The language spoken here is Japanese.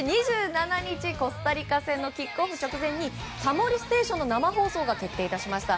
２７日のコスタリカ戦のキックオフ直前に「タモリステーション」の生放送が決定しました。